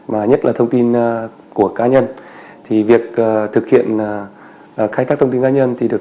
mà nhất là thông tin của cá nhân